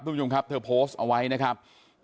คุณผู้ชมครับเธอโพสต์เอาไว้นะครับ